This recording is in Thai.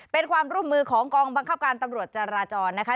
เป็นความร่วมมือของกองบังคับการตำรวจจาราจรนะคะ